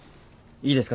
いいですか？